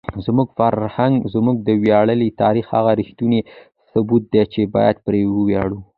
زموږ فرهنګ زموږ د ویاړلي تاریخ هغه ریښتونی ثبوت دی چې باید پرې وویاړو.